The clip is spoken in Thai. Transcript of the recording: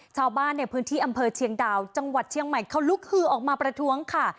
ชาวบ้านในพื้นที่อำเภอเชียงดาวจังหวัดเชียงใหม่เขาลุกฮือออกมาประท้วงค่ะ